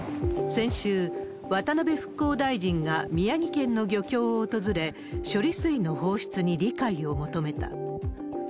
先週、渡辺復興大臣が宮城県の漁協を訪れ、処理水の放出に理解を求めた。